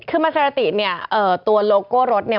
คือมาเซราติเนี่ยตัวโลโก้รถเนี่ย